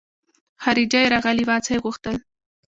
خارجۍ راغلې وه څه يې غوښتل.